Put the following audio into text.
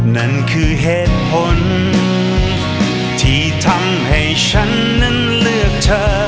นั่นคือเหตุผลที่ทำให้ฉันนั้นเลือกเธอ